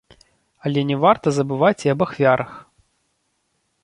Але не варта забываць і аб ахвярах.